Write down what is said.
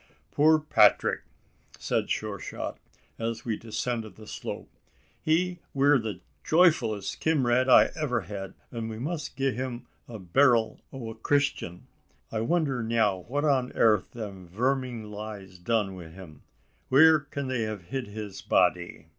"Poor Petrick!" said Sure shot, as we descended the slope, "he weer the joyfulest kimrade I ever hed, an' we must gi' him the berril o' a Christyan. I wonder neow what on airth them verming lies done wi' him? Wheer kin they have hid his body?"